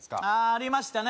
ありましたね